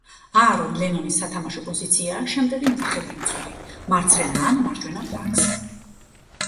არონ ლენონის სათამაშო პოზიციაა შემტევი ნახევარმცველი, მარცხენა ან მარჯვენა ფლანგზე.